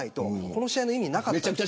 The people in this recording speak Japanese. この試合の意味なかったと。